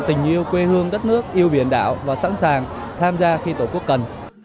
tình yêu quê hương đất nước yêu biển đảo và sẵn sàng tham gia khi tổ quốc cần